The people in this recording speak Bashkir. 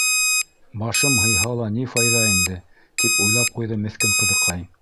—Башым һыйһа ла ни файҙа инде! —тип уйлап ҡуйҙы меҫкен ҡыҙыҡай.